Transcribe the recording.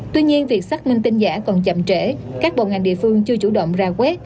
tuy nhiên việc xác minh tin giả còn chậm trễ các bộ ngành địa phương chưa chủ động ra quét